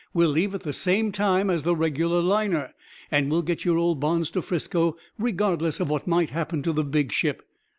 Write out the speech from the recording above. We'll leave at the same time as the regular liner, and we'll get your old bonds to Frisco, regardless of what might happen to the big ship.